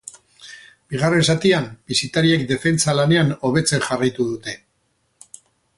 Bigarren zatian bisitariek defentsa lanean hobetzen jarraitu dute.